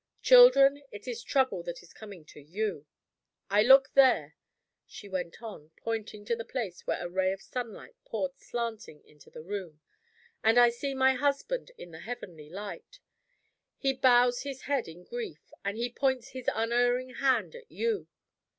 Children, it is trouble that is coming to You. I look there," she went on, pointing to the place where a ray of sunlight poured slanting into the room, "and I see my husband in the heavenly light. He bows his head in grief, and he points his unerring hand at You.